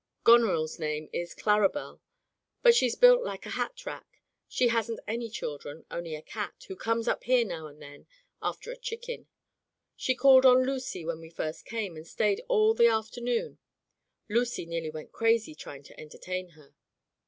Goneril's name is Claribel, and she's built like a hat rack. She hasn't any children, only a cat, who comes up here now and then after a chicken. She called on Lucy when we first came, and stayed all the after noon. Lucy nearly went crazy trying to enter tain her.